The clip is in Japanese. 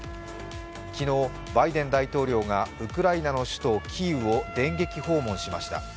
昨日、バイデン大統領がウクライナの首都キーウを電撃訪問しました。